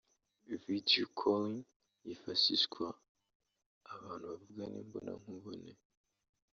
Video calling yifashishwa abantu bavugana imbona nkubone